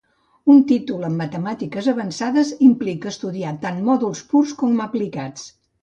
Un títol en matemàtiques avançades implica estudiar tant mòduls purs com aplicats.